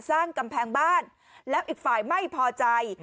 สร้างกำแพงบ้านแล้วอีกฝ่ายไม่พอใจ